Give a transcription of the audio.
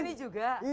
di sini juga